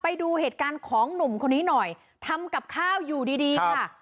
ไปดูเหตุการณ์ของหนุ่มคนนี้หน่อยทำกับข้าวอยู่ดีดีค่ะ